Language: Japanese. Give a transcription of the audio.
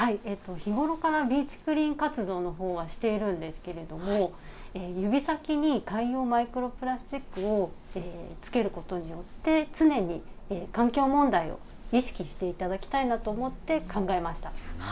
日頃からビーチクリーン活動のほうはしているんですけれども、指先に海洋マイクロプラスチックをつけることによって、常に環境問題を意識していただきたいなと思って考えました。